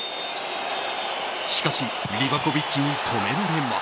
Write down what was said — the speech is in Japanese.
しかしリヴァコヴィッチに止められます。